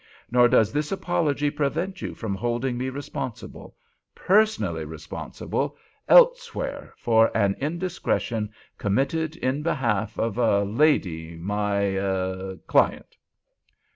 Nor does this apology prevent you from holding me responsible—personally responsible—elsewhere for an indiscretion committed in behalf of a lady—my—er—client."